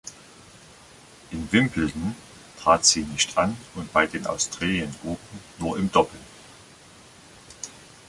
In Wimbledon trat sie nicht an und bei den Australian Open nur im Doppel.